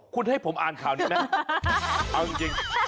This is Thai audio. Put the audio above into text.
อ๋อคุณให้ผมอ่านคราวนี้มั้ย